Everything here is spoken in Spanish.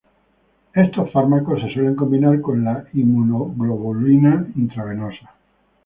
Estos fármacos se suelen combinar con la inmunoglobulina intravenosa.